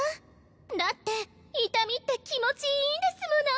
だって痛みって気持ちいいんですもの